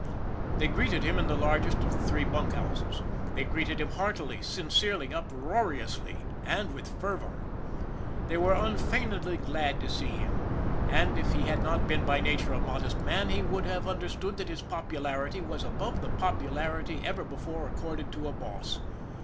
Ihey greeted him in the largest of the three bunk houses. They greeted him heartily, sincerely, uproari ously, and with fervor. They were unfeignedly glad to see him, and if he had not been by nature a modest man he would have understood that his popularity was above the popularity ever before accorded to a boss.